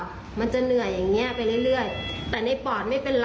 คุณผู้ชมค่ะแล้วเดี๋ยวมาเล่ารายละเอียดเพิ่มให้ฟังค่ะ